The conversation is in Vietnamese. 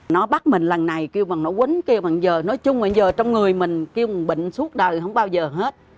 nó bắt mình lần này kêu bằng nó quấn kêu bằng giờ nói chung bằng giờ trong người mình kêu bằng bệnh suốt đời không bao giờ hết